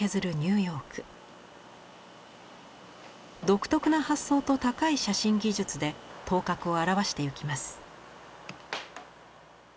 独特な発想と高い写真技術で頭角を現してゆきます。